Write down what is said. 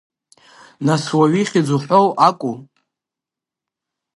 Нас уаҩ ихьӡ уҳәом акәу?!